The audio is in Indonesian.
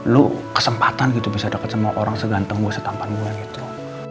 lo kesempatan gitu bisa deket sama orang seganteng gue setampan gue gitu